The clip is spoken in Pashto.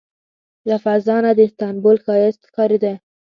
له فضا نه د استانبول ښایست ښکارېده.